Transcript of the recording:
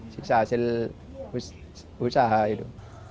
sisa hasil usaha itu